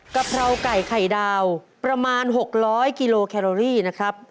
กะเพราไก่ไข่ดาวประมาณ๖๐๐กิโลแคโรรี่นะครับ